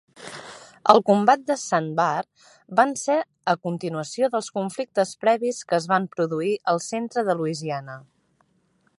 El combat de Sandbar van ser a continuació dels conflictes previs que es van produir al centre de Louisiana.